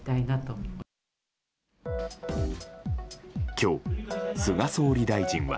今日、菅総理大臣は。